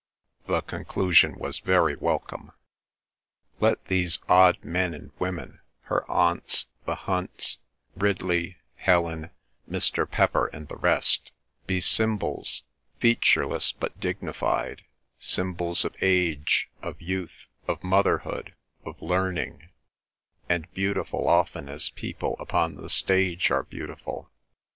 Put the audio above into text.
The conclusion was very welcome. Let these odd men and women—her aunts, the Hunts, Ridley, Helen, Mr. Pepper, and the rest—be symbols,—featureless but dignified, symbols of age, of youth, of motherhood, of learning, and beautiful often as people upon the stage are beautiful.